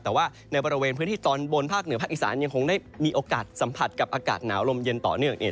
แต่ว่าในบริเวณพื้นที่ตอนบนภาคเหนือภาคอีสานยังคงได้มีโอกาสสัมผัสกับอากาศหนาวลมเย็นต่อเนื่อง